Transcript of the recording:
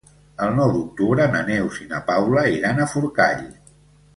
El nou d'octubre na Neus i na Paula iran a Forcall.